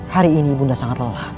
hari ini bunda sangat lelah